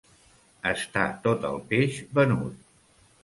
Estar tot el peix venut.